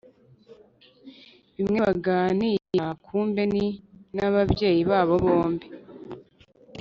bimwe baganira kumbe ni nababyeyi babo bombi